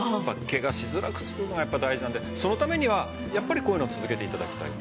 ケガしづらくするのがやっぱり大事なのでそのためにはやっぱりこういうのを続けて頂きたい。